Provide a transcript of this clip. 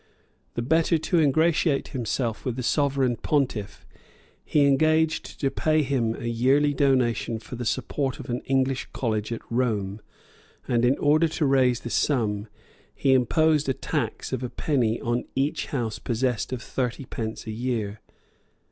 The better to ingratiate himself with the sovereign pontiff, he engaged to pay him a yearly donation for the support of an English college at Rome,[] and in order to raise the sum, he imposed a tax of a penny on each house possessed of thirty pence a year.